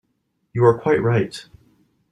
You are quite right.